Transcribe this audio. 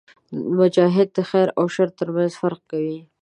مجاهد د خیر او شر ترمنځ فرق کوي.